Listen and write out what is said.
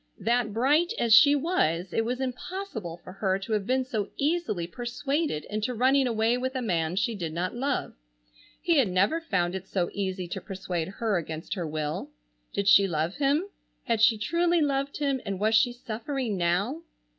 That bright as she was it was impossible for her to have been so easily persuaded into running away with a man she did not love. He had never found it so easy to persuade her against her will. Did she love him? Had she truly loved him, and was she suffering now?